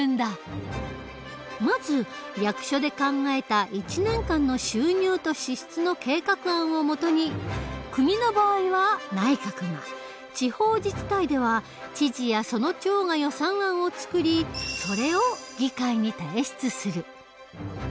まず役所で考えた１年間の収入と支出の計画案を基に国の場合は内閣が地方自治体では知事やその長が予算案を作りそれを議会に提出する。